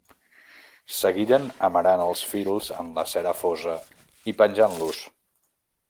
Seguiren amerant els fils en la cera fosa i penjant-los.